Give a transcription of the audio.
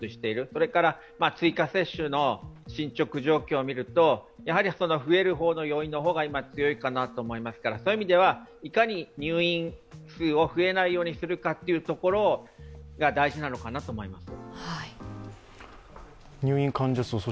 それから追加接種の進捗状況を見ると増える方の要因の方が今、強いかなと思いますから、いかに入院数が増えないようにするかというところが大事なのかなと思います。